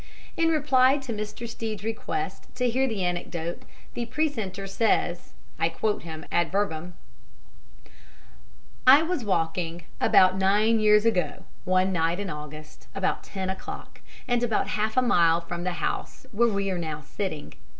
In reply to Mr. Stead's request to hear the anecdote the precentor says (I quote him ad verbum): "I was walking, about nine years ago, one night in August, about ten o'clock, and about half a mile from the house where we are now sitting.